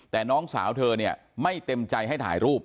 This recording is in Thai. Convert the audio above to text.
แต่น้องสาวเธอเนี่ยไม่เต็มใจให้ถ่ายรูป